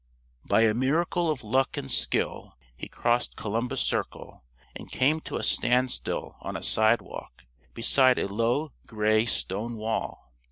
By a miracle of luck and skill he crossed Columbus Circle, and came to a standstill on a sidewalk, beside a low gray stone wall.